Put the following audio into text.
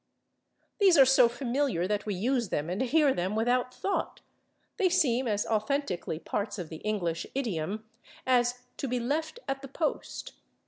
These are so familiar that we use them and hear them without thought; they seem as authentically parts of the English idiom as /to be left at the post